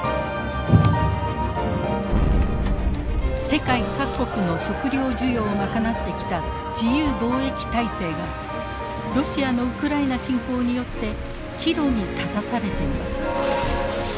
世界各国の食料需要を賄ってきた自由貿易体制がロシアのウクライナ侵攻によって岐路に立たされています。